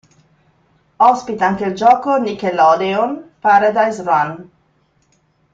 Ospita anche il gioco Nickelodeon, "Paradise Run".